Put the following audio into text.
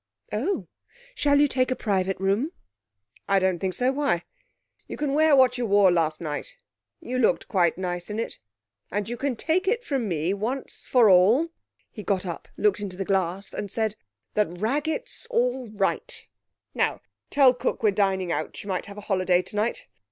'Oh, shall you take a private room?' 'I don't think so. Why? You can wear what you wore last night.... You looked quite nice in it, and you can take it from me, once for all' he got up, looked in the glass, and said 'that Raggett's all right. Now, tell cook we're dining out. She might have a holiday tonight.